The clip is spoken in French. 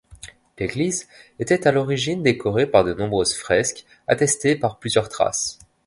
L'église était à l'origine décoré par de nombreuses fresques, attestées par plusieurs traces.